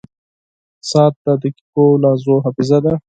• ساعت د دقیقو لحظو حافظه ده.